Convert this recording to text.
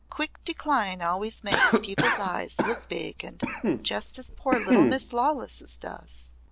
Quick decline always makes people's eyes look big and just as poor little Miss Lawless does."